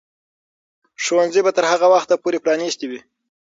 ښوونځي به تر هغه وخته پورې پرانیستي وي.